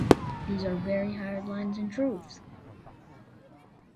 These are very hard lines in truth!